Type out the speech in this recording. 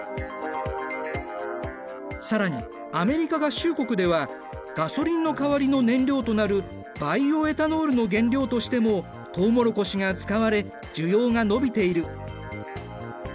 更にアメリカ合衆国ではガソリンの代わりの燃料となるバイオエタノールの原料としてもとうもろこしが使われ需要が伸びている。